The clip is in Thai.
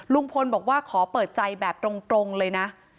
ลุงพลบอกว่าขอเปิดใจแบบตรงเลยนะ